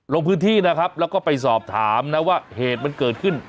ลงพื้นที่นะครับแล้วก็ไปสอบถามนะว่าเหตุมันเกิดขึ้น